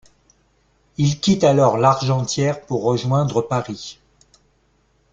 Il quitte alors Largentière pour rejoindre Paris.